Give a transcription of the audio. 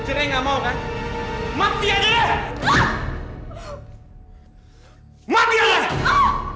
sudah seperempuan yang berguna